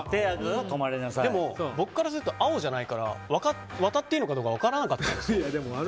でも僕からすると青じゃないから渡っていいのかどうか分からなかったんです。